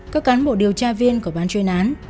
các cán bộ điều tra viên của ban chuyên án